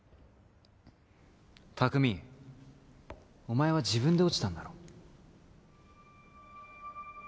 拓実お前は自分で落ちたんだろ？